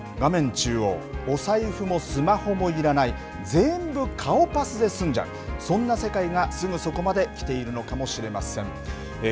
中央、お財布もスマホもいらない、全部顔パスで済んじゃう、そんな世界がすぐそこまで来ているのかもしれません。